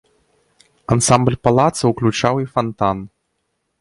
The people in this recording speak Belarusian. Ансамбль палаца ўключаў і фантан.